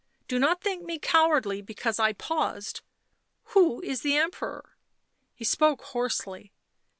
Do not think me cowardly because I paused — who is the Emperor ?" He spoke hoarsely.